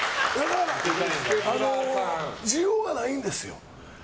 需要がないんですよ。